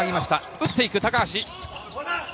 打っていく高橋。